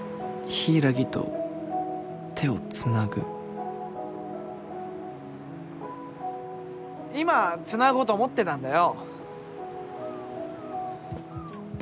柊と手をつなぐ今つなごうと思ってたんだよ。